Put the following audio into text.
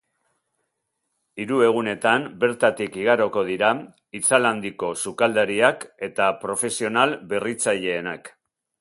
Hiru egunetan bertatik igaroko dira itzal handiko sukaldariak eta profesional berritzaileenak.